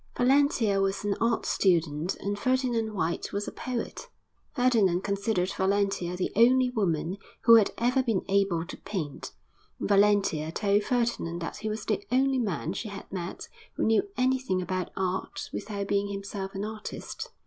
Valentia was an art student and Ferdinand White was a poet. Ferdinand considered Valentia the only woman who had ever been able to paint, and Valentia told Ferdinand that he was the only man she had met who knew anything about Art without being himself an artist.